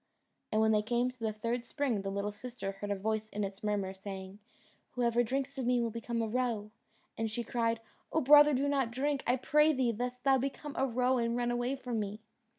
And when they came to the third spring, the little sister heard a voice in its murmur, saying, "Whoever drinks of me will become a roe," and she cried, "Oh brother, do not drink, I pray thee, lest thou become a roe and run away from me."